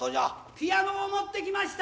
ピアノを持ってきました！